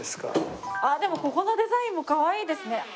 あっでもここのデザインもかわいいですね。